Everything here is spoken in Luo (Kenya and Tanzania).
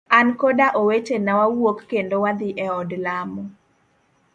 An koda owetena wawuok kendo wadhi e od lamo.